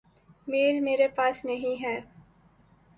میل میرے پاس نہیں ہے۔۔